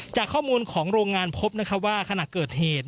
จากข้อมูลของโรงงานพบนะครับว่าขณะเกิดเหตุ